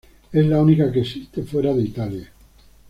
Es la única que existe fuera de Italia.